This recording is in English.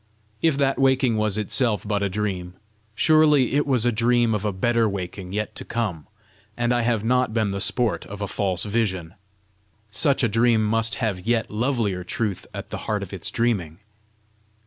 If that waking was itself but a dream, surely it was a dream of a better waking yet to come, and I have not been the sport of a false vision! Such a dream must have yet lovelier truth at the heart of its dreaming!